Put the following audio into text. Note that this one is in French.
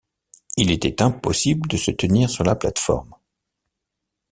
Il était impossible de se tenir sur la plate-forme.